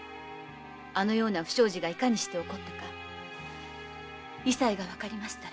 あのような不祥事がいかにして起こったか委細がわかりましたら。